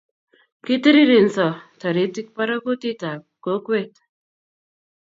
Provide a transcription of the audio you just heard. Kitirirenso taritik barakutit ab kokwet